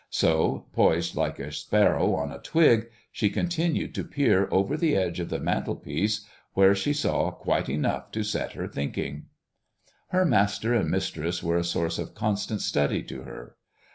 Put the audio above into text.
So, poised like a sparrow on a twig, she continued to peer over the edge of the mantel piece, where she saw quite enough to set her thinking. Her master and mistress were a source of constant study to her.